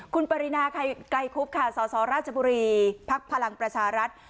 คุณปรินาไกรคุบค่ะสสราชบุรีภักดิ์พลังประชารัฐ